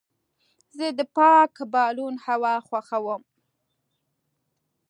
زه د پاک بالون هوا خوښوم.